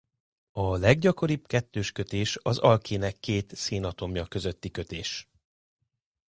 A leggyakoribb kettős kötés az alkének két szénatomja közötti kötés.